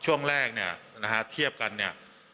ช่วงแรกเนี่ยนะฮะ